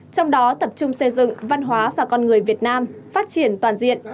trong đó tập trung xây dựng văn hóa và con người việt nam phát triển toàn diện